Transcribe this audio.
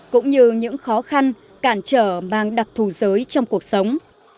cũng như những khó khăn cản trở mang đặc thù giới trong cuộc sống